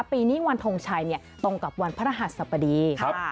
ปีนี้วันทงชัยเนี่ยตรงกับวันพระหัสปดี